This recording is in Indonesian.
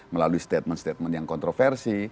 melalui statement statement yang kontroversi